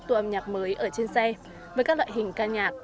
tô âm nhạc mới ở trên xe với các loại hình ca nhạc